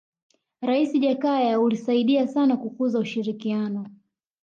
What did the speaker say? raisi jakaya ulisaidia sana kukuza ushirikiano